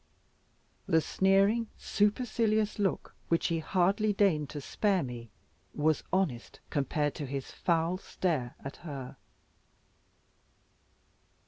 The sneering, supercilious look which he hardly deigned to spare me, was honest, compared to his foul stare at her.